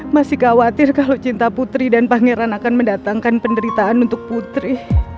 masih khawatir kalau cinta putri dan pangeran akan mendatangkan penderitaan untuk putri